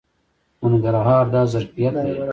ننګرهار دا ظرفیت لري.